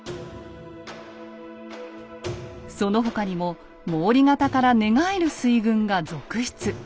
その他にも毛利方から寝返る水軍が続出。